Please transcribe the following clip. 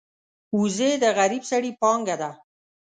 وزې د غریب سړي پانګه ده